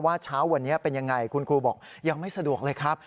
เช้าวันนี้เป็นยังไงคุณครูบอกยังไม่สะดวกเลยครับ